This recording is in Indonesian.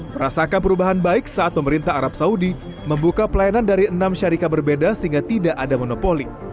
merasakan perubahan baik saat pemerintah arab saudi membuka pelayanan dari enam syarikat berbeda sehingga tidak ada monopoli